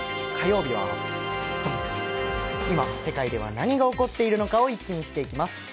火曜日は今、世界では何が起こっているのかを一気見していきます。